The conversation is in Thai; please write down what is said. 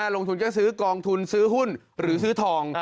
ลงทุนก็ซื้อกองทุนซื้อหุ้นหรือซื้อทอง